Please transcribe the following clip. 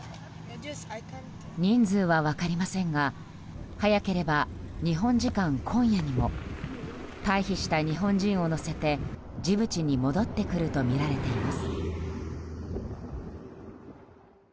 人数は分かりませんが早ければ日本時間今夜にも退避した日本人を乗せてジブチに戻ってくるとみられています。